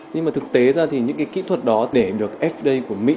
nhưng mà thực tế ra thì những cái kỹ thuật đó để được fda của mỹ